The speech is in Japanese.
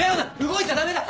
動いちゃダメだ！